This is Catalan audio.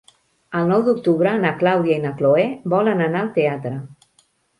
El nou d'octubre na Clàudia i na Cloè volen anar al teatre.